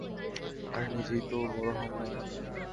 আরে নিজেই তো বড় হও নাই।